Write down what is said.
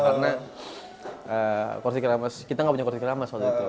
karena kursi keramas kita nggak punya kursi keramas waktu itu